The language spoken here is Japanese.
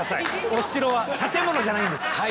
お城は建物じゃないんです。